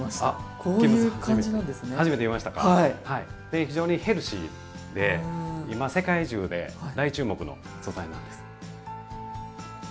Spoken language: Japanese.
非常にヘルシーで今世界中で大注目の素材なんです。